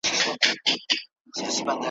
له اساساتو سره بلد کړم